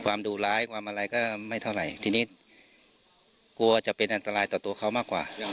ดูร้ายความอะไรก็ไม่เท่าไหร่ทีนี้กลัวจะเป็นอันตรายต่อตัวเขามากกว่า